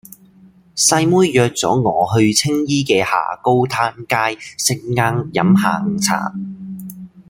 細妹約左我去青衣嘅下高灘街食晏飲下午茶